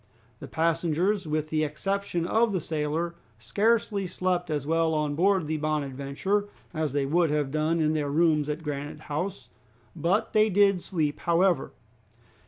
The passengers, with the exception of the sailor, scarcely slept as well on board the "Bonadventure" as they would have done in their rooms at Granite House, but they did sleep however.